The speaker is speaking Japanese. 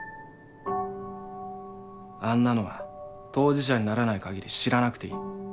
あんなのは当事者にならない限り知らなくていい。